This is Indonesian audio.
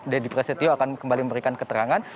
dedy prasetyo akan kembali memberikan keterangan